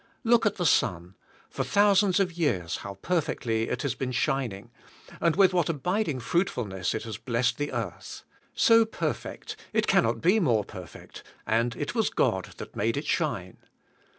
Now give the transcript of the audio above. Look at the sun. For thousands of years how perfectly it has been shining, with what abid ing fruitfulness it has blessed the earth. So per fect, it cannot be more perfect, and it was God that made it shine.